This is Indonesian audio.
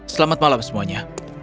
selamat malam semuanya